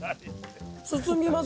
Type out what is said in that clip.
進みます